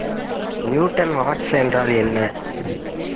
Newton வட்டு என்றால் என்ன?